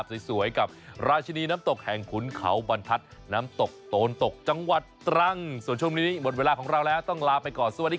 โปรดติดตามตอนต่อไป